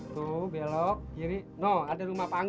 tuh belok kiri noh ada rumah pangis